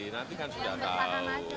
nanti kan sudah tahu